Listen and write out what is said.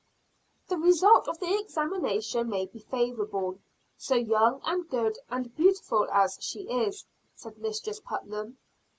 "The result of the examination may be favorable, so young and good and beautiful as she is," said Mistress Putnam.